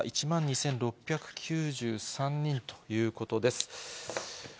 １万２６９３人ということです。